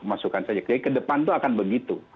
masukan saja jadi kedepan itu akan begitu